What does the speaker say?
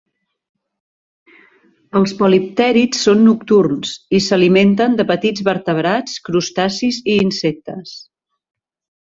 Els poliptèrids són nocturns i s'alimenten de petits vertebrats, crustacis i insectes.